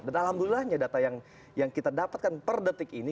dan alhamdulillahnya data yang kita dapatkan per detik ini